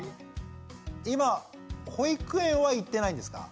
今保育園は行ってないんですか？